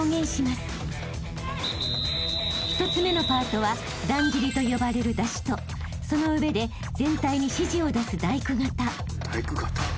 ［一つ目のパートはだんじりと呼ばれる山車とその上で全体に指示を出す大工方］